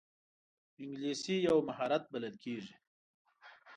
انګلیسي یو مهارت بلل کېږي